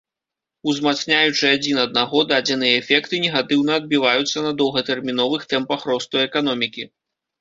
Узмацняючы адзін аднаго, дадзеныя эфекты негатыўна адбіваюцца на доўгатэрміновых тэмпах росту эканомікі.